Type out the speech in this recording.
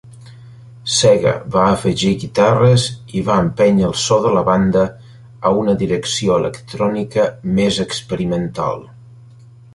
Sega va afegir guitarres i va empènyer el so de la banda a una direcció electrònica més experimental.